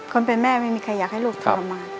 คนเป็นแม่ไม่มีใครอยากให้ลูกทรมาน